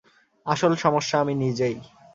আসল সমস্যা আমি নিজেই।